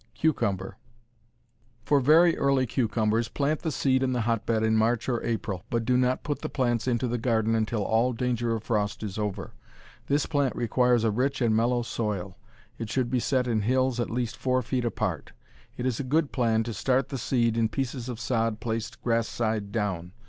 Cucumber For very early cucumbers plant the seed in the hotbed in March or April, but do not put the plants into the garden until all danger of frost is over. This plant requires a rich and mellow soil. It should be set in hills at least four feet apart. It is a good plan to start the seed in pieces of sod placed grass side down.